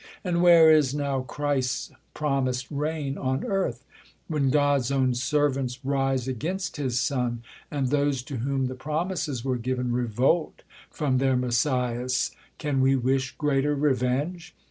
And where is now Christ's promis'd reign on earth ? f When God's ow^n servants rise against his Son, And those, to whom the promises were giy'n, Revolt from their Messias, can v/e wish Greater revenge